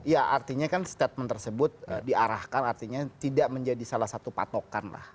ya artinya kan statement tersebut diarahkan artinya tidak menjadi salah satu patokan lah